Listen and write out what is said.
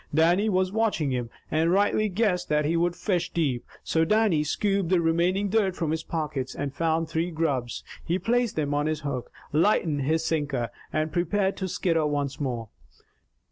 Dannie was watching him, and rightly guessed that he would fish deep. So Dannie scooped the remaining dirt from his pockets, and found three grubs. He placed them on his hook, lightened his sinker, and prepared to skitter once more.